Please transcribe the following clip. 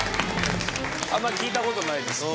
あんまり聞いた事ないですけど。